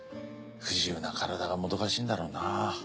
不自由な体がもどかしいんだろうな。